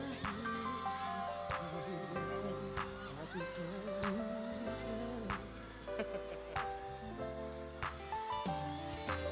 ya kita akan beri bantuan